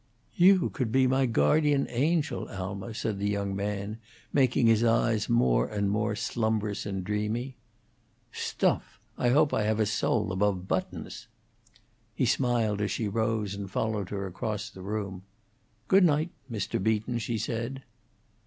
"You could be my guardian angel, Alma," said the young man, making his eyes more and more slumbrous and dreamy. "Stuff! I hope I have a soul above buttons!" He smiled, as she rose, and followed her across the room. "Good night; Mr. Beaton," she said.